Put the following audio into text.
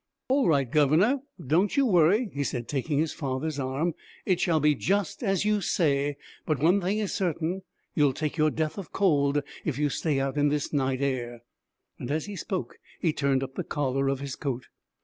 'All right, governor! Don't you worry,' he said, taking his father's arm. 'It shall be just as you say; but one thing is certain, you'll take your death of cold if you stay out in this night air.' As he spoke, he turned up the collar of his coat.